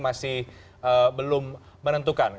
masih belum menentukan